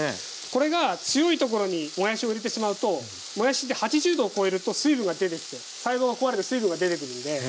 これが強いところにもやしを入れてしまうともやしって８０度を超えると水分が出てきて細胞が壊れて水分が出てくるんで。